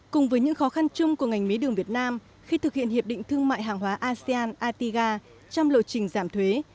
cùng với những khó khăn chung của ngành mía đường việt nam khi thực hiện hiệp định thương mại hàng hóa asean atga trong lộ trình giảm thuế